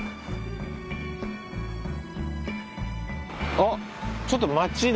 あっちょっと町だ